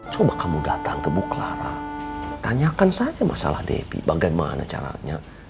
coba kamu datang ke muklara tanyakan saja masalah debbie bagaimana caranya